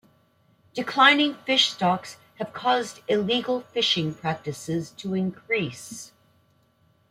Declining fish stocks have caused illegal fishing practices to increase.